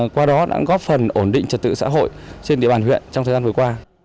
qua đó đã góp phần ổn định trật tự xã hội trên địa bàn huyện trong thời gian vừa qua